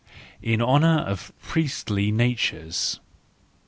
In Honour of Priestly Natures